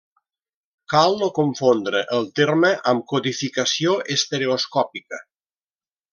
Cal no confondre el terme amb codificació estereoscòpica.